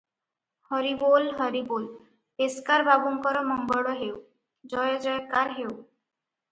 "ହରିବୋଲ - ହରିବୋଲ ପେସ୍କାର ବାବୁଙ୍କର ମଙ୍ଗଳ ହେଉ, ଜୟ ଜୟକାର ହେଉ ।"